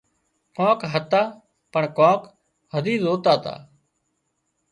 ڪانڪ هتا پڻ ڪانڪ هزي زوتا تا